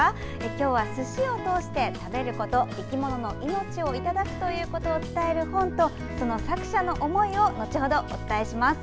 今日は、すしを通して食べること、生き物の命をいただくということを伝える本とその作者の思いをお伝えします。